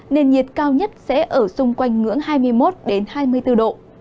nền nhiệt cao nhất sẽ ở xung quanh ngưỡng hai mươi một hai mươi bốn độ